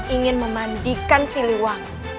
ingin memandikan si liwangi